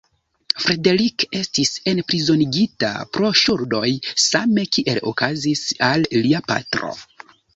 Frederick estis enprizonigita pro ŝuldoj, same kiel okazis al lia patro.